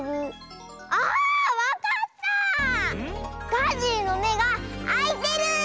ガジリのめがあいてる！